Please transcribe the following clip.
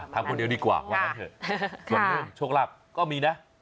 ทำคนเดียวดีกว่าว่างั้นเถอะส่วนเรื่องโชคลาภก็มีนะ